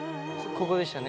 ここでしたね